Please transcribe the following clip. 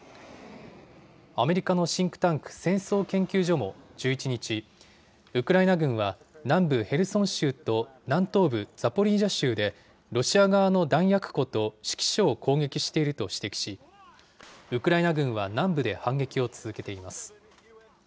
アメリカのシンクタンク、戦争研究所も１１日、ウクライナ軍は、南部ヘルソン州と南東部ザポリージャ州で、ロシア側の弾薬庫と指揮所を攻撃していると指摘し、ウクライナ軍は南部で反撃を続けています。